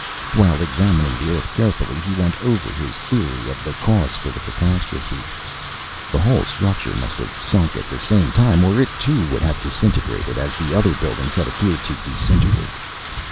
While examining the earth carefully he went over his theory of the cause for the catastrophe. The whole structure must have sunk at the same time, or it, too, would have disintegrated, as the other buildings had appeared to disintegrate.